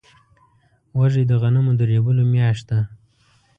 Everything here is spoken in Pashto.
وږی د غنمو د رېبلو میاشت ده.